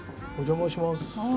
お邪魔します。